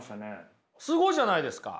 すごいじゃないですか。